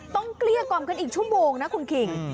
เกลี้ยกล่อมกันอีกชั่วโมงนะคุณคิง